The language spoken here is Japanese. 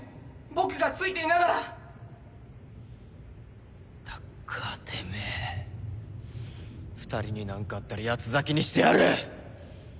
僕がついていながらタッカーてめえ２人に何かあったら八つ裂きにしてやる！